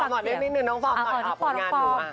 น้องฟรหม่อนนิดนึงน้องฟรหม่อนผลงานหนู